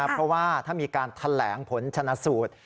เพราะว่าถ้ามีการแถลงผลชนะสูตร